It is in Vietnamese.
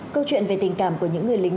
câu chuyện về tình cảm của những người lính